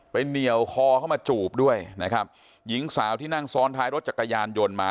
เหนียวคอเข้ามาจูบด้วยนะครับหญิงสาวที่นั่งซ้อนท้ายรถจักรยานยนต์มา